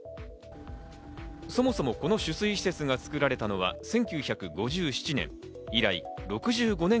そもそもこの取水施設が造られたのは１９５７年。